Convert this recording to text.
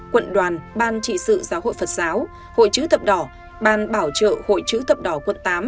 quận đoàn ban trị sự giáo hội phật giáo hội chữ thập đỏ ban bảo trợ hội chữ thập đỏ quận tám